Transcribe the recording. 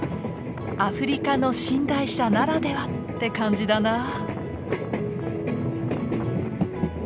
アフリカの寝台車ならではって感じだな。